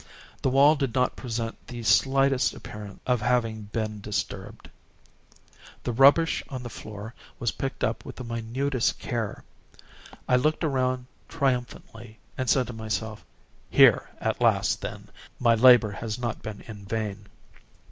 The wall did not present the slightest appearance of having been disturbed. The rubbish on the floor was picked up with the minutest care. I looked around triumphantly, and said to myself: "Here at least, then, my labor has not been in vain."